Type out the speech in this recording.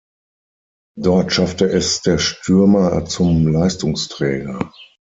Dort schaffte es der Stürmer zum Leistungsträger.